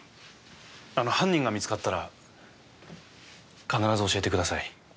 あの犯人が見つかったら必ず教えてください。